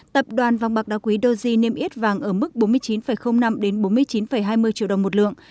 tập đoàn vàng bạc đá quý doji niêm yết vàng ở mức bốn mươi chín năm đến bốn mươi chín hai mươi triệu đồng một lượng